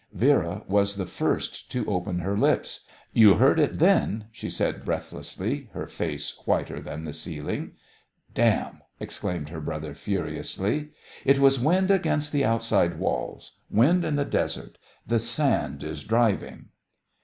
Vera was the first to open her lips. "You heard it then," she said breathlessly, her face whiter than the ceiling. "Damn!" exclaimed her brother furiously. "It was wind against the outside walls wind in the desert. The sand is driving."